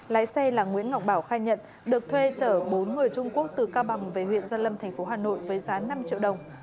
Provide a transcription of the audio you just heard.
lái xe là nguyễn ngọc bảo khai nhận được thuê chở bốn người trung quốc từ cao bằng về huyện gia lâm thành phố hà nội với giá năm triệu đồng